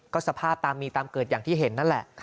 ก็สภาพตามมีตามเกิดอย่างที่เห็นนั่นแหละ